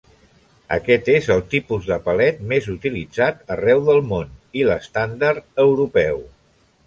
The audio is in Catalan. Aquest és el tipus de palet més utilitzat arreu del món i l'estàndard europeu.